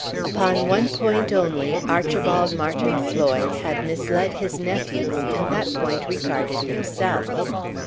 Upon one point only Archibald Martin Floyd had misled his nephews, and that point regarded himself.